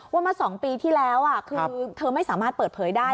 ว่ามา๒ปีที่แล้วคือเธอไม่สามารถเปิดเผยได้